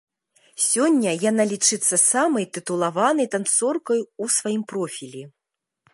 Сёння яна лічыцца самай тытулаванай танцоркай у сваім профілі.